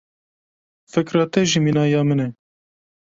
Fikra te jî mîna ya min e.